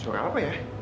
suara apa ya